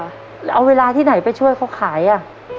แล้วเอาเวลาที่ไหนไปช่วยเขาขายอ่ะ